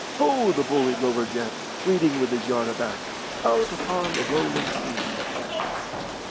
Ho, the bully Rover Jack, Waiting with his yard aback Out upon the Lowland Sea.